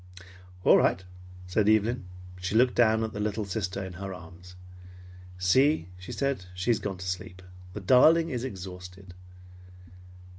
"All right," said Evelyn. She looked down at the little sister in her arms. "See," she said, "she has gone to sleep. The darling is exhausted."